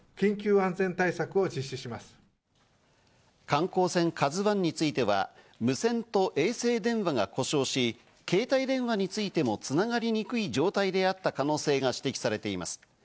観光船「ＫＡＺＵ１」については、無線と衛星電話が故障し、携帯電話についても繋がりにくい状態であった可能性が指摘されています。